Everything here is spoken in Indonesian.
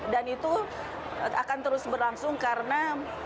dan itu akan terus berlangsung karena